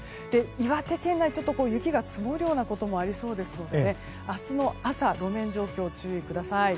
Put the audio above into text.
岩手県内、ちょっと雪が積もるようなこともありそうですので明日の朝、路面状況ご注意ください。